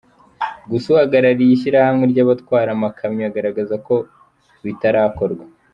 Gusa uhagarariye ishyirahamwe ry’abatwara amakamyo agaragaza ko bitarakorwa.